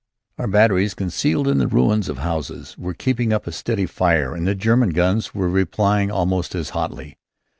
Our batteries, concealed in the ruins of houses, were keeping up a steady fire and the German guns were replying almost as hotly.